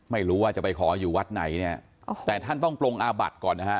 ไม่รู้จะไปขออยู่วัดไหนแต่ท่านต้องปรงอาบัฏก่อน